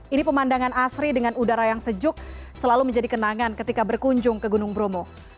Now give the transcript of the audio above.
ini pemandangan asri dengan udara yang sejuk selalu menjadi kenangan ketika berkunjung ke gunung bromo